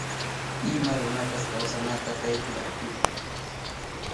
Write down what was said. Ima runapas kawsanata kaypi atipan.